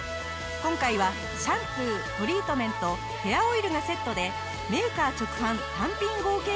今回はシャンプートリートメントヘアオイルがセットでメーカー直販単品合計価格